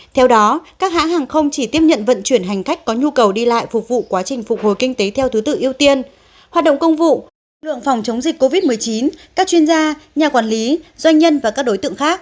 theo đó các hãng hàng không chỉ tiếp nhận vận chuyển hành khách có nhu cầu đi lại phục vụ quá trình phục hồi kinh tế theo thứ tự ưu tiên hoạt động công vụ lực lượng phòng chống dịch covid một mươi chín các chuyên gia nhà quản lý doanh nhân và các đối tượng khác